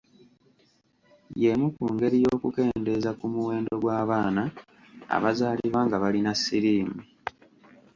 Y’emu ku ngeri y’okukendeeza ku muwendo gw’abaana abazaalibwa nga balina siriimu.